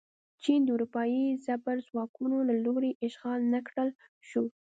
چین د اروپايي زبرځواکونو له لوري اشغال نه کړل شو.